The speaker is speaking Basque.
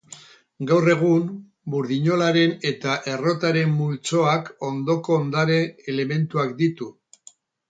Gaur egun burdinolaren eta errotaren multzoak ondoko ondare-elementuak ditu.